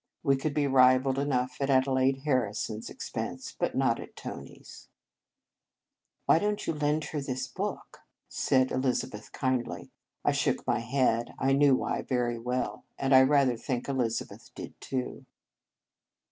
We could be ribald enough at Adelaide Harrison s ex pense, but not at Tony s. " Why don t you lend her this book?" said Elizabeth kindly. I shook my head. I knew why very well. And I rather think Elizabeth did, too.